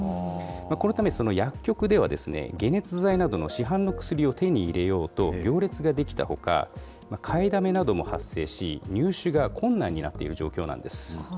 このため、薬局では解熱剤などの市販の薬を手に入れようと行列が出来たほか、買いだめなども発生し、入手が困難になっている状況なんです。